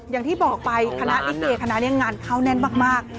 อย่างที่บอกไปคณะลิเกคณะนี้งานเข้าแน่นมาก